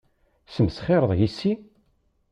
Tesmesxireḍ yess-i?